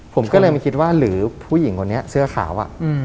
ผมก็เลยไม่คิดว่าหรือผู้หญิงคนนี้เสื้อขาว